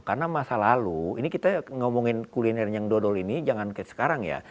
karena masa lalu ini kita ngomongin kulinernya yang dodol ini jangan kayak sekarang ya